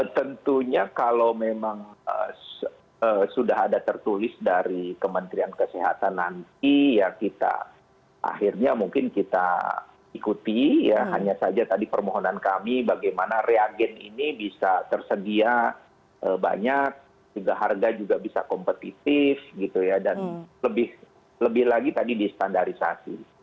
tentunya kalau memang sudah ada tertulis dari kementerian kesehatan nanti ya kita akhirnya mungkin kita ikuti ya hanya saja tadi permohonan kami bagaimana reagen ini bisa tersedia banyak juga harga juga bisa kompetitif gitu ya dan lebih lagi tadi distandarisasi